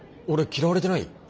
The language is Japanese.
俺嫌われてない？